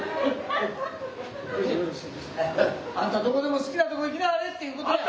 あんたどこでも好きなとこ行きなはれっていうことや！